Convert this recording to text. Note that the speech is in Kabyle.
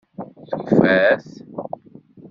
Tufa-t?